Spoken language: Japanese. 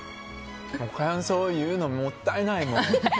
感想を言うのもったいない。